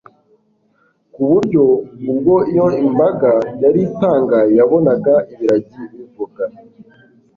ku buryo ubwo iyo mbaga yari itangaye yabonaga ibiragi bivuga